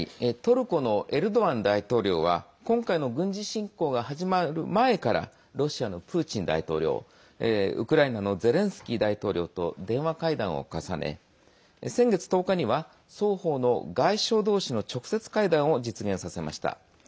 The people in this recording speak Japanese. トルコのエルドアン大統領は今回の軍事侵攻が始まる前からロシアのプーチン大統領ウクライナのゼレンスキー大統領と電話会談を重ね、先月１０日には双方の外相どうしの直接会談を実現させました。